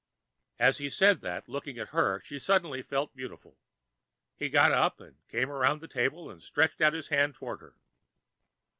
As he said that, looking at her, she suddenly felt beautiful. He got up and came around the table and stretched out his hand toward her.